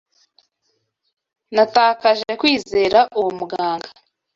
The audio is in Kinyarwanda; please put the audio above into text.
Natakaje kwizera uwo muganga.